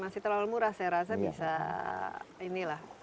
masih terlalu murah saya rasa bisa ini lah